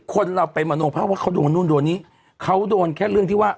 คนเราไปมโนภาพว่าเขาโดนนู่นโดนนี้เขาโดนแค่เรื่องที่ว่า